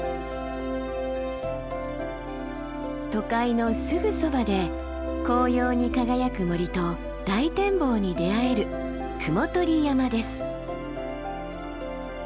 都会のすぐそばで紅葉に輝く森と大展望に出会える雲取山です。